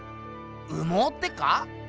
羽毛ってか？